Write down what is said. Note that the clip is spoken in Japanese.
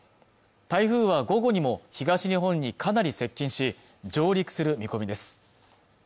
台風は午後にも東日本にかなり接近し上陸する見込みです